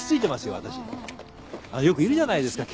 よくいるじゃないですか。